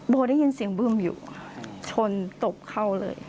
ได้ยินเสียงบึ้มอยู่ชนตบเข้าเลย